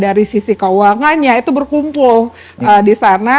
dari sisi keuangannya itu berkumpul di sana